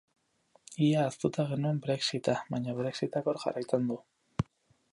Ia ahaztuta genuen brexit-a, baina brexit-ak hor jarraitzen du.